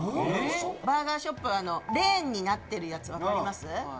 バーガーショップ、レーンになってるやつ分かります？